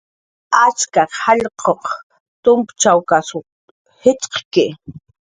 Achak jallq'uq tumpachkasw jitxqki